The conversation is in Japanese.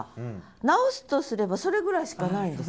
直すとすればそれぐらいしかないです。